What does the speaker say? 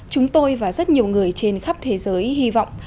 chúng tôi và rất nhiều người trên khắp thế giới hy vọng